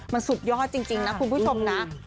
มันสุดยอดจริงนะคุณผู้ชมนะ